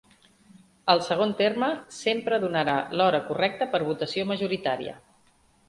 El segon terme sempre donarà l'hora correcta per votació majoritària.